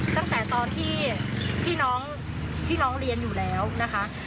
ตั้งแต่ตอนที่พี่น้องที่น้องเรียนอยู่แล้วนะคะ